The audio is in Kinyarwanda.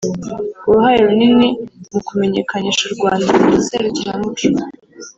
uruhare runini mu kumenyekanisha u Rwanda mu maserukiramuco